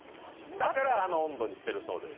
だからあの温度にしてるそうです。